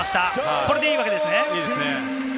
これでいいわけですよね？